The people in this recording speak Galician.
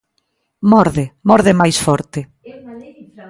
Morde, morde máis forte.